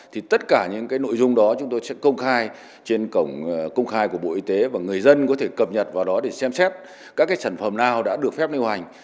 thì tất cả những cái nội dung đó chúng tôi sẽ công khai trên cổng công khai của bộ y tế và người dân có thể cập nhật vào đó để xem xét các cái sản phẩm nào đã được phép nêu hành